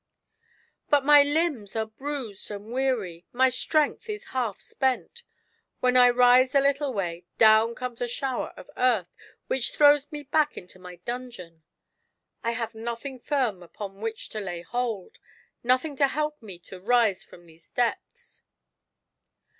" But my limbs are bruised and weary, my strength is haJf spent. When I rise a Uttle way, down comes a shower of earth, which throws me back into my dun geon. I have nothing firm upon which to lay hold ; nothing to help me to rise from these depths."